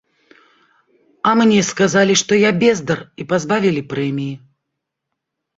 А мне сказалі, што я бездар і пазбавілі прэміі.